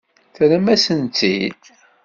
Terram-asen-tt-id?